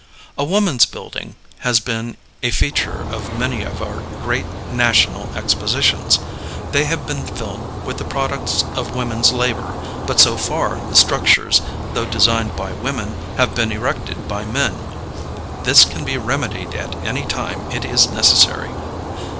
A Woman's Building has been a feature of many of our great national expositions. They have been filled with the products of women's labor; but so far the structures, though designed by women, have been erected by men. This can be remedied at any time it is necessary.